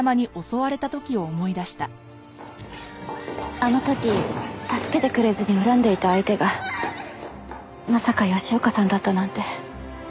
あの時助けてくれずに恨んでいた相手がまさか吉岡さんだったなんて。